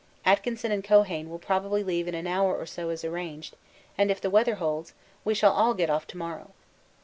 Atkinson and Keohane will probably leave in an hour or so as arranged, and if the weather holds, we shall all get off to morrow.